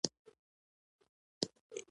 • شتمني د خدمت لپاره ښه ده.